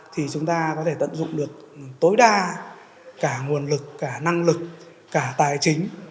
thì chúng ta có thể tận dụng được tối đa cả nguồn lực cả năng lực cả tài chính